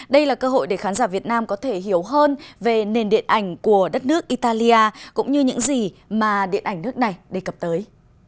đây là cơ hội để khán giả việt nam có thể hiểu hơn về nền điện ảnh của đất nước italia cũng như những gì mà điện ảnh nước này đề cập tới